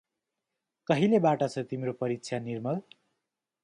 कहिले बाट छ तिम्रो परीक्षा निर्मल?